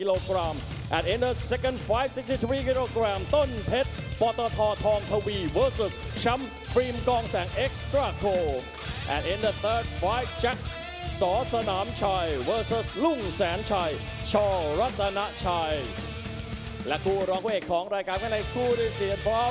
และกลุ่มรองเวทของรายการกันในกลุ่มรายการที่สีเทียนฟ้า